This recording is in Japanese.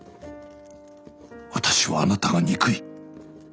私はあなたが憎い。